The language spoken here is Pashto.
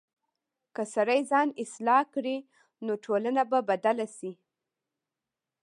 که سړی ځان اصلاح کړي، نو ټولنه به بدله شي.